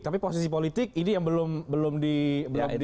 tapi posisi politik ini yang belum belum di